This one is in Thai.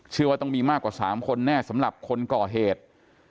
เชื่อว่าต้องมีมากกว่า๓คนแน่สำหรับคนก่อเหตุ